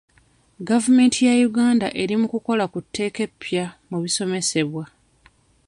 Gavumenti ya Uganda eri mu kukola ku tteeka eppya mu bisomesebwa.